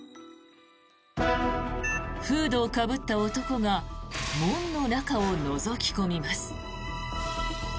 フードをかぶった男が門の中をのぞき込みます。